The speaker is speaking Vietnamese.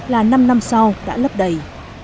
là năm năm sau đã lấp đầy